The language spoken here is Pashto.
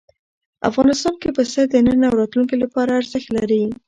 افغانستان کې پسه د نن او راتلونکي لپاره ارزښت لري.